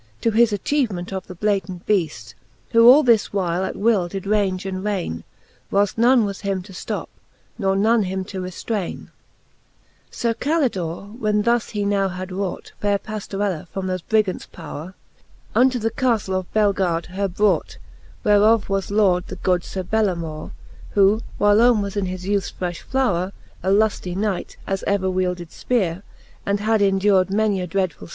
To his atchievement of the Blatant Beajl ; Who all this while at will did range and raine, Whilft none was him to flop, nor none him to reftraine. III. Sir Canto XII. the Faerie iiueene. 3^5 III. Sir Calidore when thus he now had raught Faire Pajiorella from thofe Brigants powre, Unto the caftle oi Belgard her brought, Whereof was Lord the good Sir Bellamoure ; Who whylome was in his youthes frefheft flowre, A luftie Knight, as ever wielded fpeare. And had endured many a dreadful!